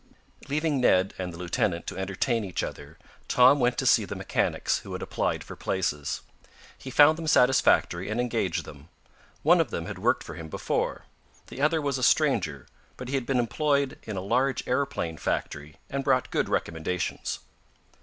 Leaving Ned and the lieutenant to entertain each other, Tom went to see the mechanics who had applied for places. He found them satisfactory and engaged them. One of them had worked for him before. The other was a stranger, but he had been employed in a large aeroplane factory, and brought good recommendations.